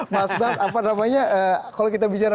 mas bas apa namanya kalau kita bicara